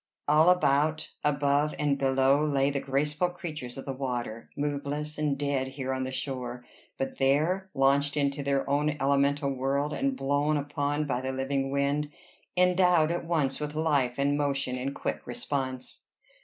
All about, above, and below, lay the graceful creatures of the water, moveless and dead here on the shore, but there launched into their own elemental world, and blown upon by the living wind endowed at once with life and motion and quick response.